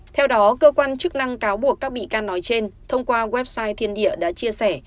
theo đó cơ quan chức năng cáo buộc các bị can nói trên thông qua website thiên địa đã chia sẻ